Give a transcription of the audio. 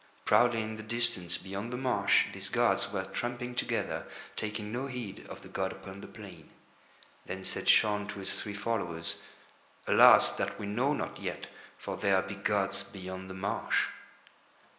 Proudly in the distance beyond the marsh these gods were tramping together, taking no heed of the god upon the plain. Then said Shaun to his three followers: "Alas that we know not yet, for there be gods beyond the marsh."